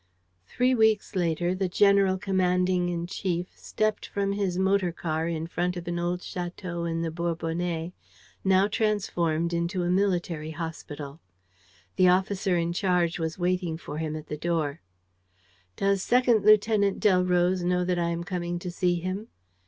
...Three weeks later the general commanding in chief stepped from his motor car in front of an old château in the Bourbonnais, now transformed into a military hospital. The officer in charge was waiting for him at the door. "Does Second Lieutenant Delroze know that I am coming to see him?"